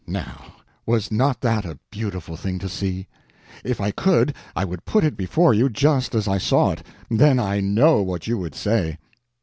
Now was not that a beautiful thing to see? If I could, I would put it before you just as I saw it; then I know what you would say.